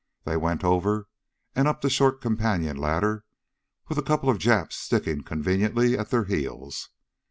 They went over and up the short companion ladder with a couple of Japs sticking conveniently at their heels.